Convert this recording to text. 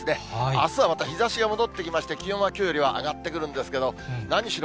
あすはまた日ざしが戻ってきまして、気温はきょうよりは上がってくるんですけど、何しろ